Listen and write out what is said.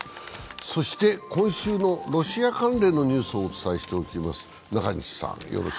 そして今週のロシア関連のニュースをお伝えしておきます。